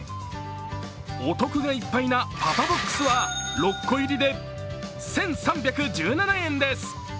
お得がいっぱいなパパボックスは６個入りで１３１７円です。